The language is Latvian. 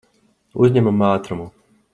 Uzņemam ātrumu.